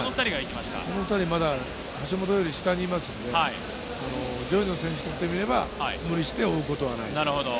まだ橋本より下にいますので、上位の選手にとってみれば無理して追うことはないと。